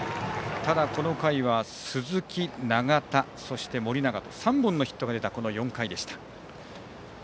ただ、この回は鈴木、長田、そして盛永と３本のヒットが出た４回でした。